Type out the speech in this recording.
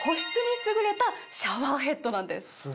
優れたシャワーヘッドなんです。